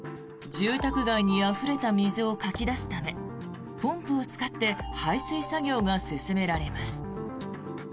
住宅街にあふれた水をかき出すためポンプを使って排水作業が進められます。